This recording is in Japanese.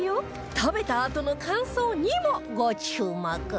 食べたあとの感想にもご注目